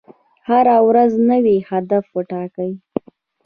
هره ورځ نوی هدف وټاکئ.